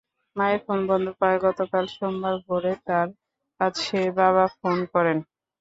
মায়ের ফোন বন্ধ পাওয়ায় গতকাল সোমবার ভোরে তার কাছে বাবা ফোন করেন।